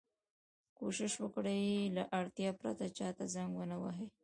کوشش وکړئ! له اړتیا پرته چا ته زنګ و نه وهئ.